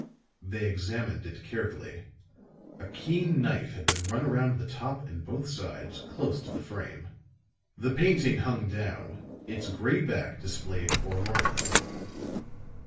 They examined it carefully. A keen knife had been run around the top and both sides, close to the frame. The painting hung down, its gray back displayed forlornly.